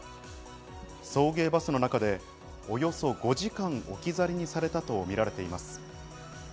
送迎バスの中でおよそ５時間、置き去りにされたとみられています。